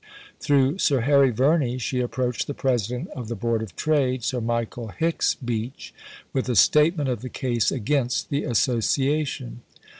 Through Sir Harry Verney she approached the President of the Board of Trade (Sir Michael Hicks Beach) with a statement of the case against the Association.